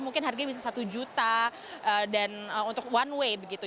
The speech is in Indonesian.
mungkin harganya bisa satu juta dan untuk one way begitu